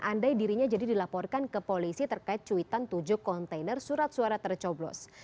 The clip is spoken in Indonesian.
andai dirinya jadi dilaporkan ke polisi terkait cuitan tujuh kontainer surat suara tercoblos